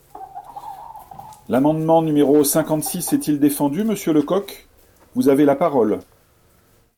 L’amendement numéro cinquante-six est-il défendu, monsieur Lecoq ? Vous avez la parole.